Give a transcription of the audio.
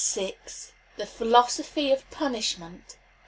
THE PHILOSOPHY OF PUNISHMENT.